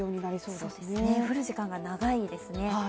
降る時間が長いですね。